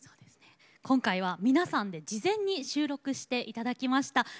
今回は皆さん事前に収録していただきました。